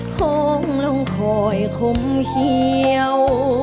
คงลงคอยคมเขียว